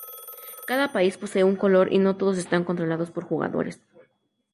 Cada país posee un color y no todos están controlados por jugadores.